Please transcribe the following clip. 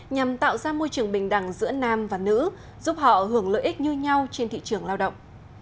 nhằm tạo ra môi trường bình đẳng giữa nam và nữ giúp họ hưởng lợi ích như nhau trên thị trường lao động